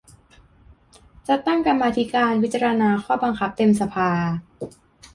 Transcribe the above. จะตั้งกรรมาธิการพิจารณาข้อบังคับเต็มสภา